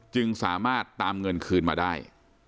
จึงสามารถตามเงินคืนมาได้